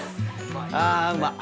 あうまっ。